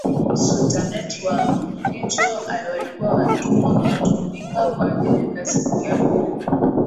Sultanate wa Omanhicho walikuwa watumwa na kutumika kwa ajili ya kazi ya bure